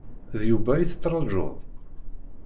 D Yuba i tettrajuḍ?